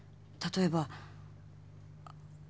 例えば。